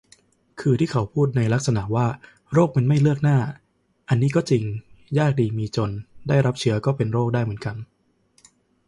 คือที่เขาพูดในลักษณะว่า "โรคมันไม่เลือกหน้า" อันนี้ก็จริง ยากดีมีจน ได้รับเชื้อก็เป็นโรคได้เหมือนกัน